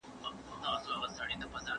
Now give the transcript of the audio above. مدافع وکیلان د وینا بشپړه ازادي نه لري.